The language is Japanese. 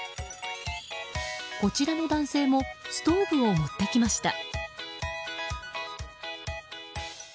こちらの男性もストーブを持ってきました。